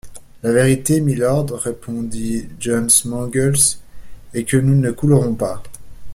La vérité, mylord, répondit John Mangles, est que nous ne coulerons pas.